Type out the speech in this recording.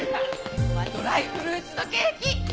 今日はドライフルーツのケーキ！